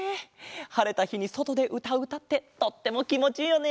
はれたひにそとでうたううたってとってもきもちいいよね！